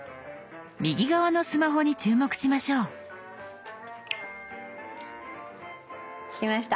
右側のスマホに注目しましょう。来ました。